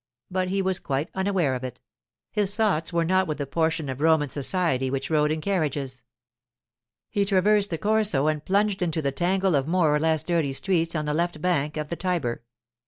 But he was quite unaware of it; his thoughts were not with the portion of Roman society which rode in carriages. He traversed the Corso and plunged into the tangle of more or less dirty streets on the left bank of the Tiber.